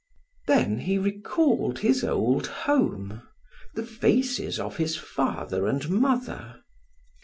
Then he recalled his old home, the faces of his father and mother.